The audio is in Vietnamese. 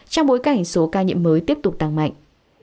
trong bối cảnh số ca nhiễm mới tiếp tục tăng mạnh